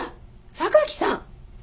榊さん！